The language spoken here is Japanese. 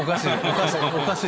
おかしい！